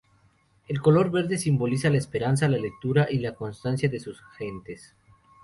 El color verde simboliza la esperanza, la lectura y la constancia de sus gentes.